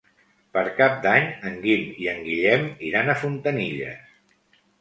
Per Cap d'Any en Guim i en Guillem iran a Fontanilles.